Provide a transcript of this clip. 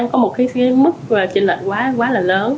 có một mức trên lệch quá là lớn